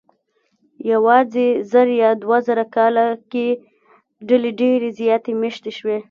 یواځې زر یا دوه زره کاله کې ډلې ډېرې زیاتې مېشتې شوې.